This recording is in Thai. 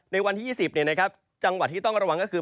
ในวันที่๒๐เนี่ยนะครับจังหวัดที่ต้องระวังก็คือ